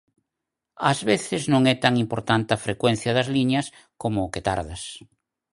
Ás veces non é tan importante a frecuencia das liñas como o que tardas.